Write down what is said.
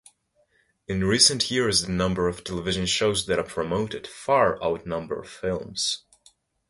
In recent years, the number of television shows that are promoted far outnumber films.